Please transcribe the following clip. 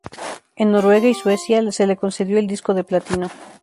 En Noruega y Suecia se le concedió el disco de platino.